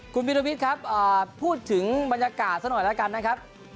คุณวิรวิทย์ครับพูดถึงบรรยากาศซะหน่อยแล้วกันนะครับ